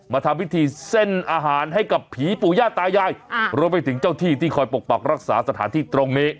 ทำพิธีเส้นอาหารให้กับผีปู่ย่าตายายรวมไปถึงเจ้าที่ที่คอยปกปักรักษาสถานที่ตรงนี้